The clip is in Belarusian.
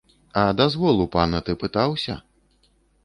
А дазвол у пана ты пытаўся?